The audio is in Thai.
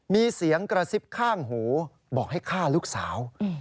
มีเสียงกระซิบข้างหูบอกให้ฆ่าลูกสาว